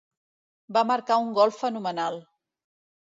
Va marcar un gol fenomenal.